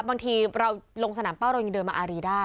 บางทีเราลงสนามเป้าเรายังเดินมาอารีได้